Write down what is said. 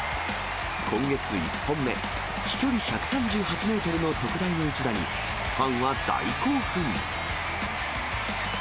今月１本目、飛距離１３８メートルの特大の一打に、ファンは大興奮。